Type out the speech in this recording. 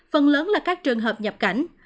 phần lớn là các trường hợp nhập cảnh